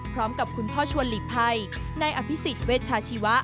พร้อมกับคุณพ่อชวนหลีกภัยนายอภิษฎเวชาชีวะ